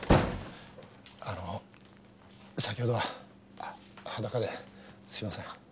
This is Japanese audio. あの先ほどは裸ですいません。